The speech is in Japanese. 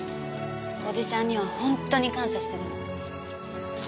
おじちゃんにはほんとに感謝してるの。